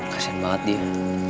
kasian banget dia